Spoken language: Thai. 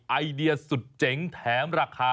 ไอเดียสุดเจ๋งแถมราคา